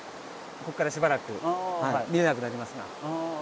ここからしばらく見えなくなりますが。